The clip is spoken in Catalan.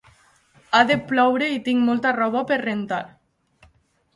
Ha de ploure i tinc molta roba per rentar